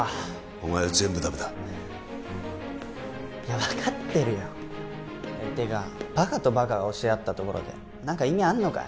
お前は全部ダメだいや分かってるよてかバカとバカが教え合ったところで何か意味あんのかよ？